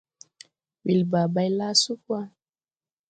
Welba bay laa sug wa.